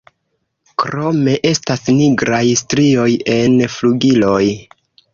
Krome estas nigraj strioj en flugiloj.